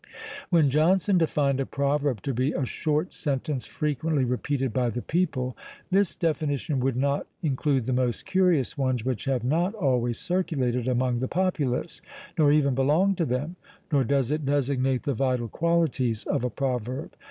When Johnson defined a proverb to be "a short sentence frequently repeated by the people," this definition would not include the most curious ones, which have not always circulated among the populace, nor even belong to them; nor does it designate the vital qualities of a proverb.